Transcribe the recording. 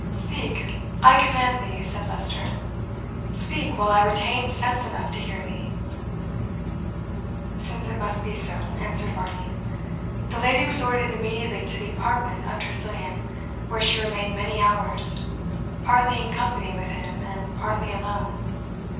"Speak, I command thee," said Leicester "speak, while I retain sense enough to hear thee." "Since it must be so," answered Varney, "the lady resorted immediately to the apartment of Tressilian, where she remained many hours, partly in company with him, and partly alone.